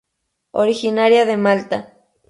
Originaria de Malta.